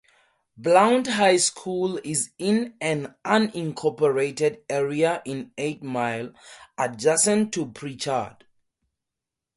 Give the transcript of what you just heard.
Blount High School is in an unincorporated area in Eight Mile, adjacent to Prichard.